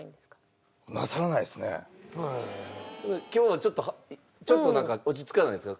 今日はちょっとなんか落ち着かないですか？